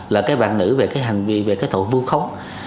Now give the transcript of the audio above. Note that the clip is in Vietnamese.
là cái bạn nữ về cái hành vi về cái tội vu khống